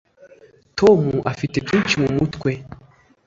Tom afite byinshi mumutwe